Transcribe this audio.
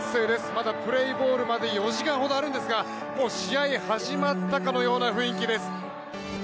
まだプレーボールまで４時間ほどあるんですがもう試合始まったかのような雰囲気です。